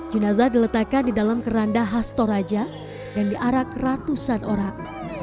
jenazah diletakkan di dalam keranda khas toraja dan diarak ratusan orang